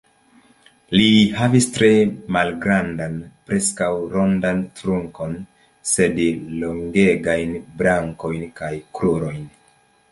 Li havis tre malgrandan, preskaŭ rondan trunkon, sed longegajn brakojn kaj krurojn.